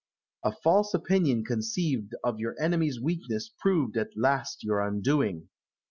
A false opinion conceived of your enemy's weakness proved at last your undoing.